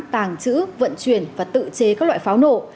tàng trữ vận chuyển và tự chế các loại pháo nổ